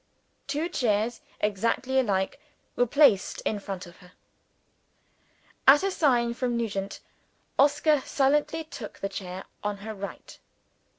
Two chairs, exactly alike, were placed in front of her. At a sign from Nugent, Oscar silently took the chair on her right.